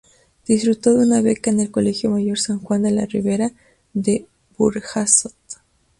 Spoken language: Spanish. Disfrutó de una beca en el Colegio Mayor San Juan de Ribera, de Burjasot.